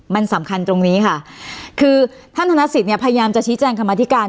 มันสำคัญตรงนี้ค่ะคือท่านธนสิทธิเนี่ยพยายามจะชี้แจงคำมาธิการ